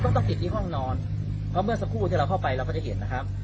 ต้องติดที่ห้องนอนเพราะเมื่อสักครู่ที่เราเข้าไปเราก็จะเห็นนะครับ